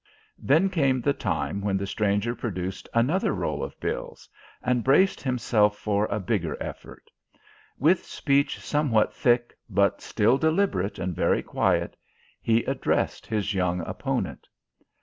Then came the time when the stranger produced another roll of bills, and braced himself for a bigger effort. With speech somewhat thick, but still deliberate and very quiet, he addressed his young opponent.